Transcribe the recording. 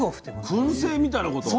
くん製みたいなこと？